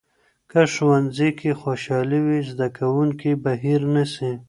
که ښوونځي کې خوشالي وي، زده کوونکي به هیر نسي.